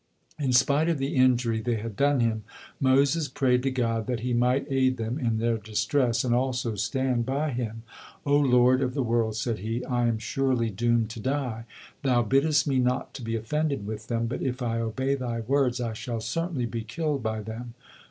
In spite of the injury they had done him, Moses prayed to God that He might aid them in their distress and also stand by him. "O Lord of the world!" said he, "I am surely doomed to die. Thou biddest me not to be offended with them, but if I obey Thy words, I shall certainly be killed by them."